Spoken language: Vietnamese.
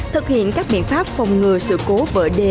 thực hiện các biện pháp phòng ngừa sự cố vỡ đê